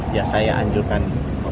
ya saya anjurkan